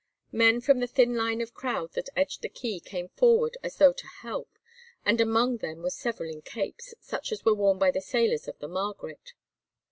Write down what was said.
Men from the thin line of crowd that edged the quay came forward as though to help, and among them were several in capes, such as were worn by the sailors of the Margaret.